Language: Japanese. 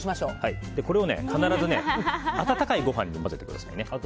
これを必ず温かいご飯に混ぜてくださいね。